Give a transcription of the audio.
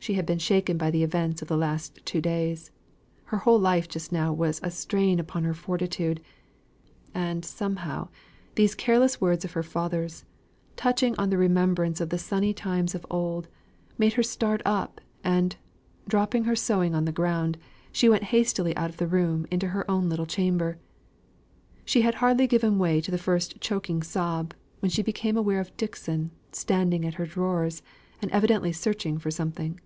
She had been shaken by the events of the last two days; her whole life just now was a strain upon her fortitude; and, somehow, these careless words of her father's, touching on the remembrance of the sunny times of old, made her start up, and, dropping her sewing on the ground, she went hastily out of the room into her own little chamber. She had hardly given way to the first choking sob, when she became aware of Dixon standing at her drawers, and evidently searching for something.